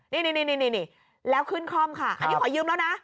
นี่แล้วขึ้นคล่อมค่ะอันนี้ขอยืมแล้วนะ